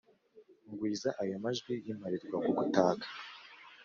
gwiza ayo majwi y'imparirwakugutaka !